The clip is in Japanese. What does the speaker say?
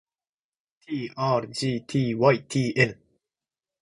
ｔｒｇｔｙｔｎ